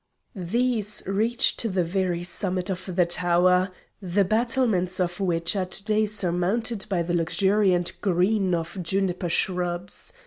These reach to the very summit of the tower, the battlements of which are to day surmounted by the luxuriant green of juniper shrubs.